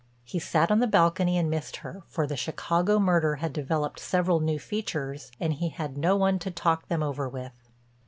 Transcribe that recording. He sat on the balcony and missed her, for the Chicago murder had developed several new features and he had no one to talk them over with.